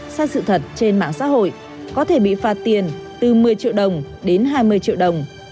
sai sự thật trên mạng xã hội có thể bị phạt tiền từ một mươi triệu đồng đến hai mươi triệu đồng